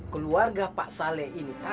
keluarga pak saleh ini